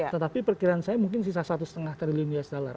tetapi perkiraan saya mungkin sisa satu lima triliun usd